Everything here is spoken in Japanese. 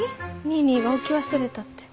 ニーニーが置き忘れたって。